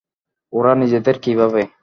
ওরা নিজেদের কী ভাবে?